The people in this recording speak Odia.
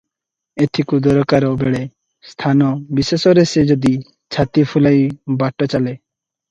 ଏଥିକୁ ଦରକାର ବେଳେ ସ୍ଥାନ ବିଶେଷରେ ସେ ଯଦି ଛାତି ଫୁଲାଇ ବାଟ ଚାଲେ